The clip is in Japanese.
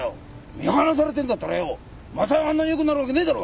見放されてんだったらよう昌代があんなによくなるわけねえだろが！